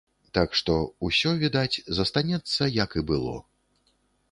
Так што, усе, відаць, застанецца як і было.